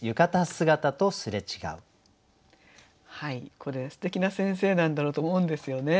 これすてきな先生なんだろうと思うんですよね。